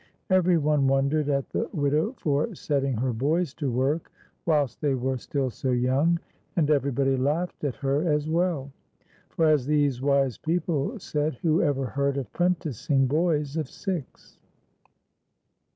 Every one wondered at the widow for setting her boys to work whilst they were still so young, and everybody laughed at her as well ; for, as these wise people said ;" Who ever heard of prenticing boys of six